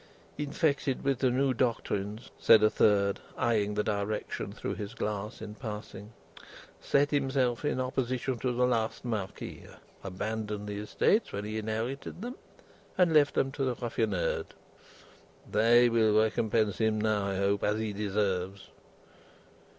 "Infected with the new doctrines," said a third, eyeing the direction through his glass in passing; "set himself in opposition to the last Marquis, abandoned the estates when he inherited them, and left them to the ruffian herd. They will recompense him now, I hope, as he deserves."